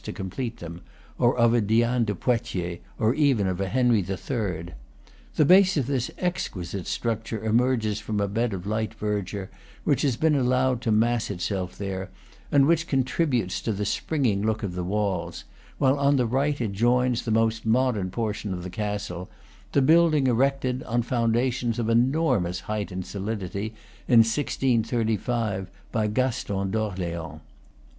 to complete them, or of a Diane de Poitiers, or even of a Henry III. The base of this exquisite structure emerges from a bed of light verdure, which has been allowed to mass itself there, and which contributes to the springing look of the walls; while on the right it joins the most modern portion of the castle, the building erected, on founda tions of enormous height and solidity, in 1635, by Gaston d'Orleans.